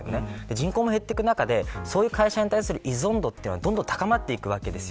人口が減る中でそういう会社に対する依存度は高まっていくわけです。